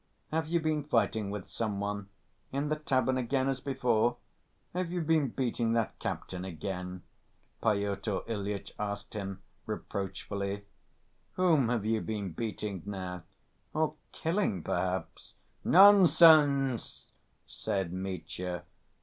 Have you been fighting with some one? In the tavern again, as before? Have you been beating that captain again?" Pyotr Ilyitch asked him reproachfully. "Whom have you been beating now ... or killing, perhaps?" "Nonsense!" said Mitya.